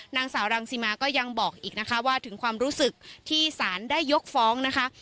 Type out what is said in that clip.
นางสาวรังสิมาก็ยังบอกอีกนะคะว่าถึงความรู้สึกที่สารได้ยกฟ้องนะคะ